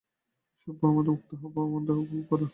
এইসব ভ্রম থেকে মুক্ত হও এবং পরমানন্দ উপভোগ কর।